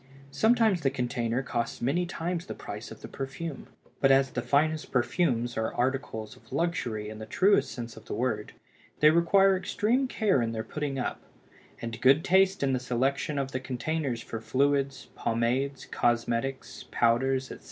Sometimes the container costs many times the price of the perfume. But as the finest perfumes are articles of luxury in the truest sense of the word, they require extreme care in their putting up; and good taste in the selection of the containers for fluids, pomades, cosmetics, powders, etc.